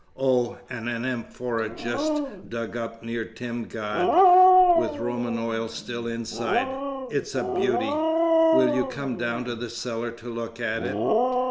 "Oh, and an amphora just dug up near Timgad, with Roman oil still inside. It's a beauty. Will you come down to the cellar to look at it?"